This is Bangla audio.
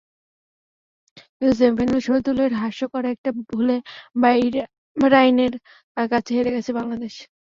কিন্তু সেমিফাইনালে শহীদুলের হাস্যকর একটা ভুলে বাহরাইনের কাছে হেরে গেছে বাংলাদেশ।